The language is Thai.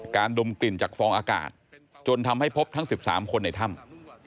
ดมกลิ่นจากฟองอากาศจนทำให้พบทั้ง๑๓คนในถ้ำ